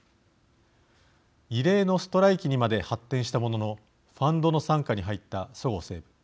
異例のストライキにまで発展したもののファンドの傘下に入ったそごう・西武。